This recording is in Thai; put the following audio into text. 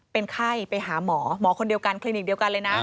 เป็นไข้ไปหาหมอหมอคนเดียวกันคลินิกเดียวกันเลยนะ